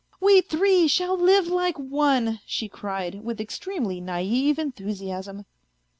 " We three shall live like one," she cried, with extremely naive enthusiasm.